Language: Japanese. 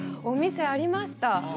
お店ありました